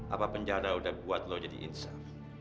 apa penjara udah buat lo jadi insan